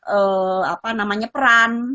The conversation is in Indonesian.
ee apa namanya peran